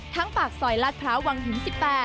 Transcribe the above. ทั้งปากสอยลาดพร้าววังถึง๑๘